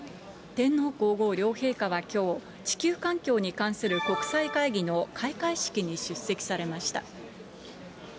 天皇皇后両陛下はきょう、地球環境に関する国際会議の開会式に出席されました。